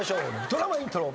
ドラマイントロ。